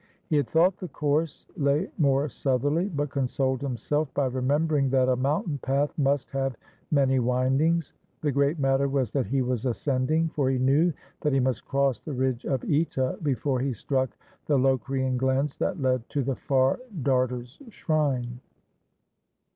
He had thought the course lay more southerly, but consoled himself by remembering that a mountain path must have many windings. The great matter was that he was ascending, for he knew that he must cross the ridge of CEta before he struck the Locrian glens that led to the Far Darter's shrine.